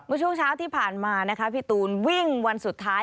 ช่วงเช้าที่ผ่านมานะคะพี่ตูนวิ่งวันสุดท้าย